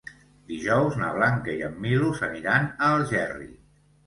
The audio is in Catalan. Dijous na Blanca i en Milos aniran a Algerri.